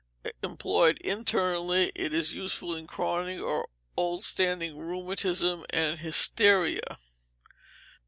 Employed internally, it is useful in chronic or old standing rheumatism and hysteria.